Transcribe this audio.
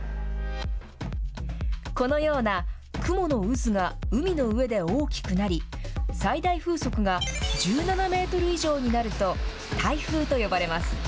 このような雲の渦が、海の上で大きくなり、最大風速が１７メートル以上になると、台風と呼ばれます。